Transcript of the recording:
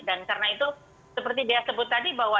dan karena itu seperti dia sebut tadi bahwa